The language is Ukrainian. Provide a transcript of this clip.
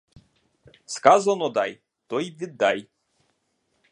Сказано — дай, то й віддай.